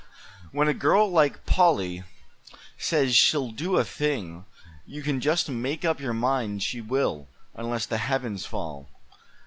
When a girl like Polly says she'll do a thing, you can just make up your mind she will, unless the heavens fall."